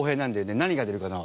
「何が出るかな？」は。